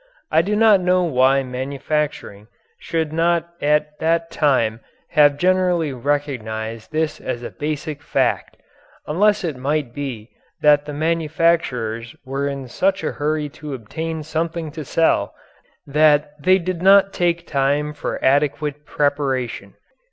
I do not know why manufacturing should not at that time have generally recognized this as a basic fact unless it might be that the manufacturers were in such a hurry to obtain something to sell that they did not take time for adequate preparation.